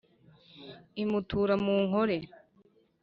Imutura mu Nkole